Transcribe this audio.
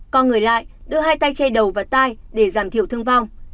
còn người lại đưa hai tay chay đầu và tai để giảm thiểu thương vong